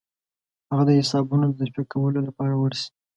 هغه د حسابونو د تصفیه کولو لپاره ورسي.